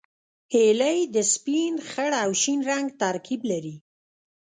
هیلۍ د سپین، خړ او شین رنګ ترکیب لري